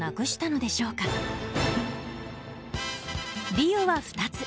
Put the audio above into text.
理由は２つ。